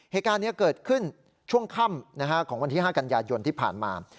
เหตุการณ์นี้เกิดขึ้นช่วงค่ำของวันที่๕กันยายนที่ผ่านมา